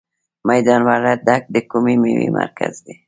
میدان وردګ د کومې میوې مرکز دی؟